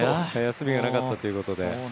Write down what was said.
休みがなかったというこで。